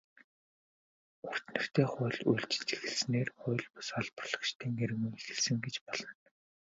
"Урт нэртэй хууль" үйлчилж эхэлснээр хууль бус олборлогчдын эрин үе эхэлсэн гэж болно.